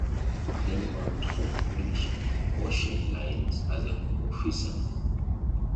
He then worked for Polish Ocean Lines as an officer.